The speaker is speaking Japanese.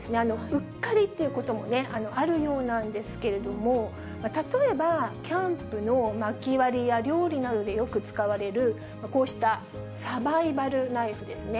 うっかりということもあるようなんですけれども、例えば、キャンプのまき割りや料理などでよく使われる、こうしたサバイバルナイフですね。